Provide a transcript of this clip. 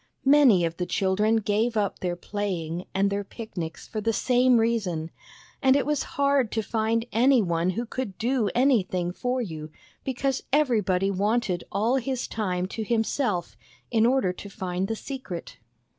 Many of the children gave up their playing and their picnics for the same reason, and it was hard to find any one who could do anything for you, because everybody wanted all his time to himself in order to find the secret.